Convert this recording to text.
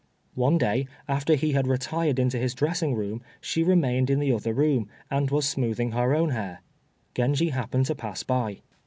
One day, after he had retired into his dressing room, she remained in the other room, and was smoothing her own hair. Genji happened to pass by.